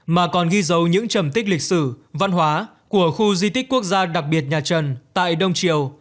mà còn ghi dấu những trầm tích lịch sử văn hóa của khu di tích quốc gia đặc biệt nhà trần tại đông triều